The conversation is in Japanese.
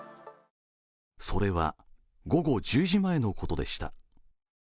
それは午後１０時前のことでした。